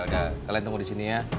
udah kalian tunggu di sini ya